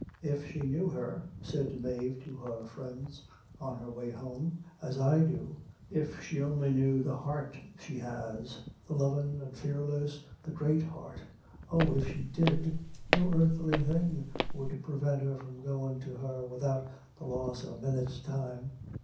"If she knew her," said Mave to her friends, on her way home, "as I do; if she only knew the heart she has the lovin', the fearless, the great heart; oh, if she did, no earthly thing would prevent her from goin' to her without the loss of a minute's time.